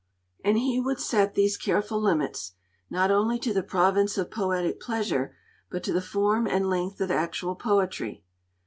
And he would set these careful limits, not only to the province of poetic pleasure, but to the form and length of actual poetry.